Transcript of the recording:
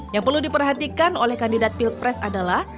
yang perlu diperhatikan oleh kandidat pilpres adalah